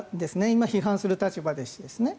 今、批判する立場ですし。